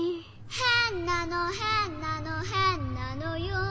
「へんなのへんなのへんなのよ」